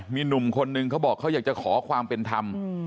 มีหนุ่มคนนึงเขาบอกเขาอยากจะขอความเป็นธรรม